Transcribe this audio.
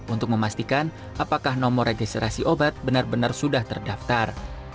untuk memastikan apakah nomor registrasi obat benar benar sudah terdaftar